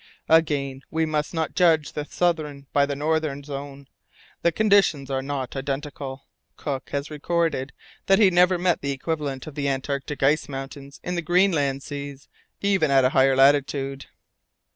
Again, we must not judge the southern by the northern zone. The conditions are not identical. Cook has recorded that he never met the equivalent of the Antarctic ice mountains in the Greenland seas, even at a higher latitude."